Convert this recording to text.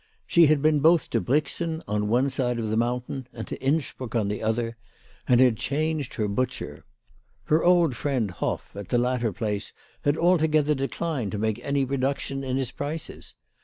She had been both to Brixen on one side of the mountain and to Innsbruck on the other, and had changed her butcher. Her old friend Hoff, at the latter place, had altogether declined to make any reduction in his prices.